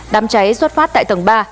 đám cháy xuất phát tại tầng ba